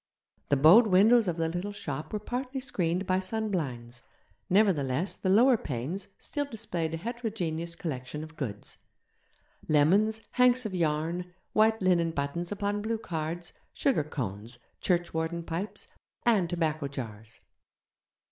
The bowed windows of the little shop were partly screened by sunblinds; nevertheless the lower panes still displayed a heterogeneous collection of goods lemons, hanks of yarn, white linen buttons upon blue cards, sugar cones, churchwarden pipes, and tobacco jars.